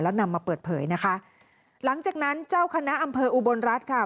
แล้วนำมาเปิดเผยนะคะหลังจากนั้นเจ้าคณะอำเภออุบลรัฐค่ะ